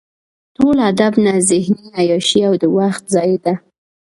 ټول ادب نه ذهني عیاشي او د وخت ضایع ده.